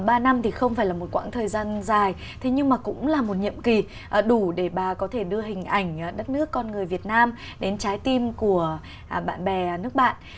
trong ba năm thì không phải là một quãng thời gian dài nhưng mà cũng là một nhiệm kỳ đủ để bà có thể đưa hình ảnh đất nước con người việt nam đến trái tim của bạn bè nước bạn